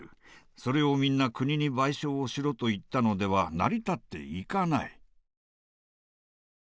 それをみんな国に賠償をしろと言ったのでは成り立っていかない。